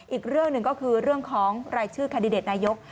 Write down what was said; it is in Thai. อีกเรื่องหนึ่งก็คือเรื่องของรายชื่อแคนดิเดตนายก